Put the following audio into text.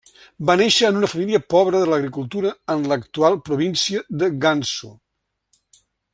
Va néixer en una família pobra de l'agricultura en l'actual província de Gansu.